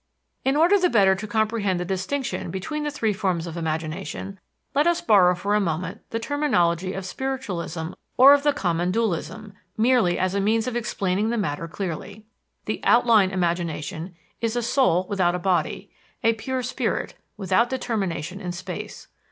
In order the better to comprehend the distinction between the three forms of imagination let us borrow for a moment the terminology of spiritualism or of the common dualism merely as a means of explaining the matter clearly. The "outline" imagination is a soul without a body, a pure spirit, without determination in space.